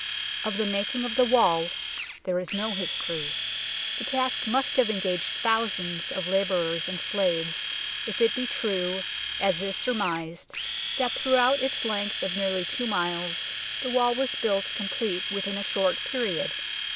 Of the making of the wall there is no history. The task must have engaged thousands of labourers and slaves if it be true, as is surmised, that throughout its length of nearly two miles the wall was built complete within a short period.